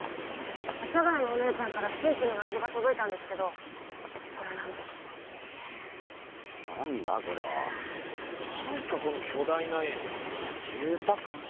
阿佐ヶ谷のお姉ちゃんから新規の謎が届いたんですけどこれなんです何だこれは何すかこの巨大な円住宅地？